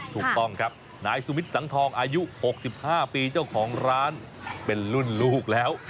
ถูกต้องครับนายสุมิทสังทองอายุ๖๕ปีเจ้าของร้านเป็นรุ่นลูกแล้ว